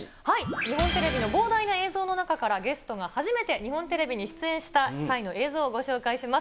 日本テレビの膨大な映像の中から、ゲストが初めて日本テレビに出演した際の映像をご紹介します。